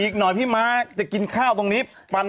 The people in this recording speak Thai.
ก็ทำอย่างนี้